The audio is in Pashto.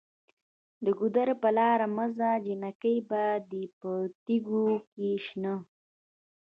د ګودر په لاره مه ځه جینکۍ به دې په تیږو کې شنه